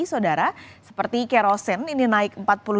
seperti kerosene ini naik empat puluh dua lima puluh tiga